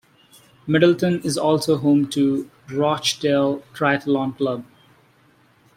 Middleton is also home to Rochdale Triathlon Club.